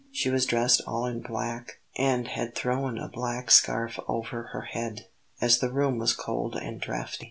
She was dressed all in black, and had thrown a black scarf over her head, as the room was cold and draughty.